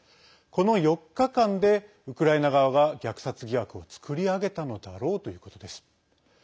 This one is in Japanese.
この４日間でウクライナ側が虐殺疑惑を作り上げたのだろうということです。